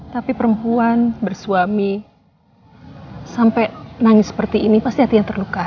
tapi perempuan bersuami sampai nangis seperti ini pasti ada yang terluka